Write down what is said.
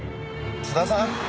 津田さん？